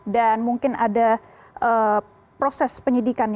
dan mungkin ada proses penyidikan